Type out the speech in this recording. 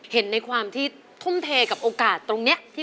เห็นในความที่ทุ่มเทกับโอกาสตรงนี้